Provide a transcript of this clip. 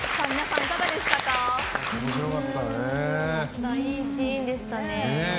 いいシーンでしたね。